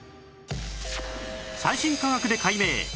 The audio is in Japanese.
最新科学で解明！